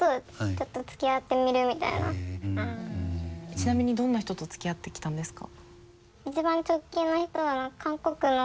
ちなみにどんな人とつきあってきたんですか？